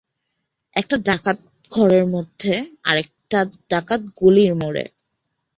একটা ডাকাত ঘরের মধ্যে, আর-একটা ডাকাত গলির মোড়ে।